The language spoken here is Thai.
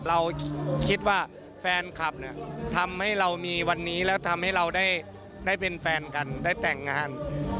เราคิดว่าแฟนคลับเนี่ยทำให้เรามีวันนี้แล้วทำให้เราได้เป็นแฟนกันได้แต่งงาน